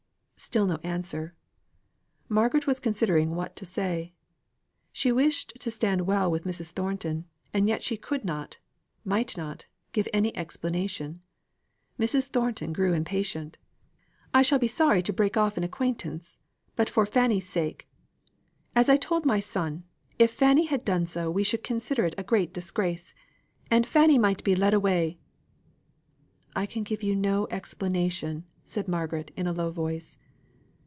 Still no answer. Margaret was considering what to say; she wished to stand well with Mrs. Thornton; and yet she could not, might not, give any explanation. Mrs. Thornton grew impatient. "I shall be sorry to break off an acquaintance; but for Fanny's sake as I told my son, if Fanny had done so we should consider it a great disgrace and Fanny might be led away " "I can give you no explanation," said Margaret, in a low voice.